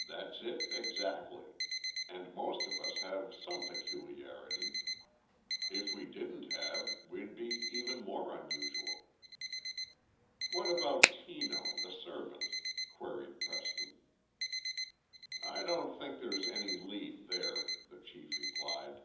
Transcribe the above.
"That's it, exactly and most of us have some peculiarity. If we didn't have we'd be even more unusual." "What about Tino, the servant?" queried Preston. "I don't think there's any lead there," the chief replied.